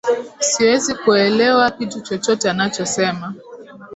Siwezi kuelewa kitu chochote anachosema